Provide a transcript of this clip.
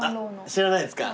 知らないですか？